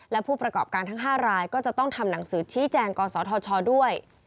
และผู้ประกอบการทั้ง๕รายก็จะต้องทำหนังสือชี้แจงกศธชด้วย